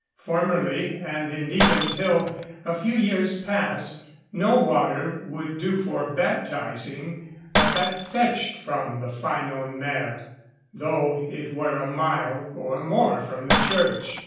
Formerly, and indeed until within a few years past, no water would do for baptizing but that fetched from the Ffynon Mair, though it were a mile or more from the church.